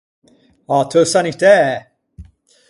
A-a teu sanitæ!